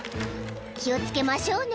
［気を付けましょうね］